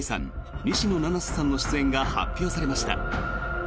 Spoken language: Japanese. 西野七瀬さんの出演が発表されました。